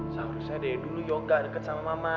seharusnya dari dulu yoga dekat sama mama